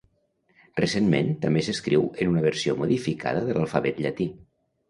Recentment també s'escriu en una versió modificada de l'alfabet llatí.